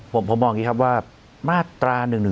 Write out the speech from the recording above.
ผมบอกอย่างนี้ครับว่ามาตรา๑๑๒